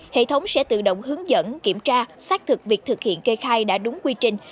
hệ thống sẽ tự động hướng dẫn kiểm tra xác thực việc thực hiện kê khai đã đúng quy trình